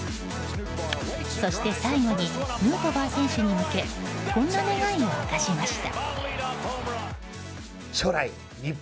そして最後にヌートバー選手に向けこんな願いを明かしました。